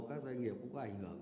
các doanh nghiệp cũng có ảnh hưởng